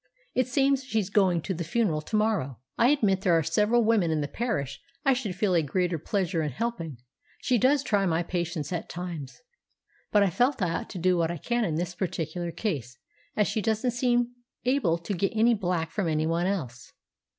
It seems she's going to the funeral to morrow. "I admit there are several women in the parish I should feel a greater pleasure in helping—she does try my patience at times—but I felt I ought to do what I can in this particular case, as she doesn't seem able to get any black from anyone else.